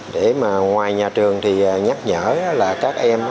để mà ngoài nhà trường thì nhắc nhở là các em